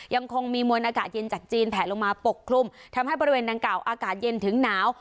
ยังคงมีมวลอากาศเย็นจากจีนแผลลงมาปกคลุมทำให้บริเวณดังกล่าวอากาศเย็นถึงหนาว